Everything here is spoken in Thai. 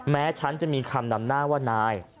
ฉันจะมีคำนำหน้าว่านาย